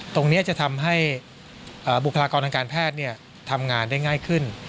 ตรงนี้จะทำให้บุคลากรทางการแพทย์ทำงานได้ง่ายขึ้น